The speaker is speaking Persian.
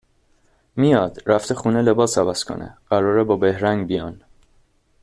میاد، رفته خونه، لباس عوض کنه؛ قراره با بهرنگ بیان